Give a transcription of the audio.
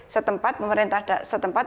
setempat pemerintah setempat